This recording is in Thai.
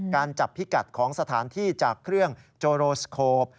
การจับพิกัดของสถานที่จากเครื่องโจโรสโคป